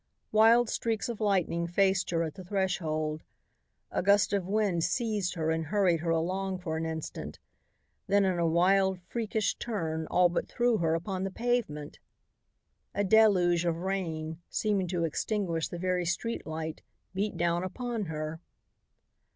Wild streaks of lightning faced her at the threshold. A gust of wind seized her and hurried her along for an instant, then in a wild, freakish turn all but threw her upon the pavement. A deluge of rain, seeming to extinguish the very street light, beat down upon her.